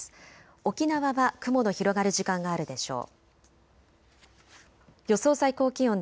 沖縄は雲の広がる時間があるでしょう。